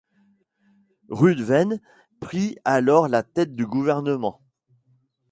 Ruthven prit alors la tête du gouvernement.